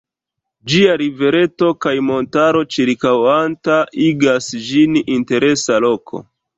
Ĝia rivereto kaj montaro ĉirkaŭanta igas ĝin interesa loko.